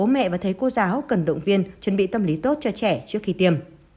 bố mẹ và thầy cô giáo cần động viên chuẩn bị tâm lý tốt cho trẻ trước khi tiêm